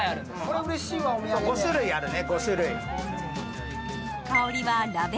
５種類あるね。